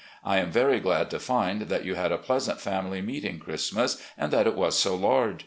I am very glad to find that you had a pleasant family meeting Christmas, and that it was so large.